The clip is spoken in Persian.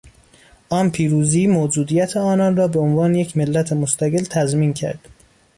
آن پیروزی موجودیت آنان را به عنوان یک ملت مستقل تضمین کرد.